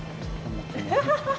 アハハハ。